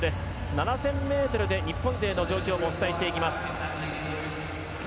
７０００ｍで日本勢の状況もお伝えしていきます。